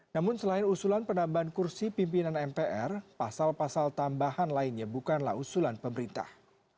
namun selain usulan penambahan kursi pimpinan mpr pasal pasal tambahan lainnya bukanlah usulan pemerintah